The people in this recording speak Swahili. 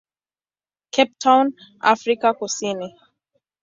Cape Town, Afrika Kusini.